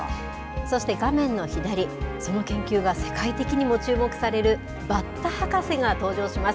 そして画面の左、その研究が世界的にも注目されるバッタ博士が登場します。